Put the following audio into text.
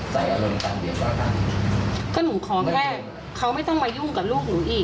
ใส่อารมณ์การเดือดร้อนก็หนูขอแค่เขาไม่ต้องมายุ่งกับลูกหนูอีก